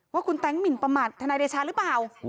ว่าคุณแต๊งหมินประมาทนายเดชาหรือเปล่า